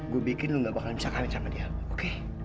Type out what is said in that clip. gue bikin lo gak bakalan bisa kangen sama dia